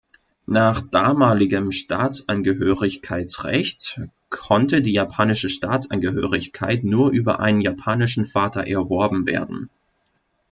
Nach damaligem Staatsangehörigkeitsrecht konnte die japanische Staatsangehörigkeit nur über einen japanischen Vater erworben werden.